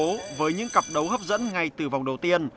đã được công bố với những cặp đấu hấp dẫn ngay từ vòng đầu tiên